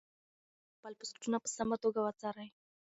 تاسي باید خپل پوسټونه په سمه توګه وڅارئ.